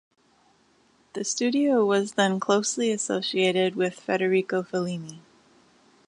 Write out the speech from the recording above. The studio was then closely associated with Federico Fellini.